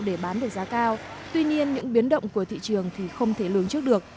để bán được giá cao tuy nhiên những biến động của thị trường thì không thể lường trước được